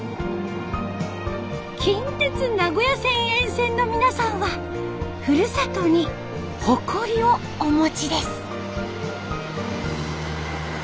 近鉄名古屋線沿線の皆さんはふるさとに誇りをお持ちです。